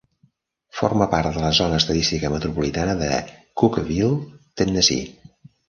Forma part de la zona estadística metropolitana de Cookeville, Tennessee.